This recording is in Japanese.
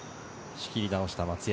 仕切り直した松山。